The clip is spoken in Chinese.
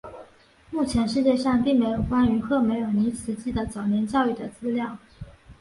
目前世界上并没有关于赫梅尔尼茨基的早年教育的资料。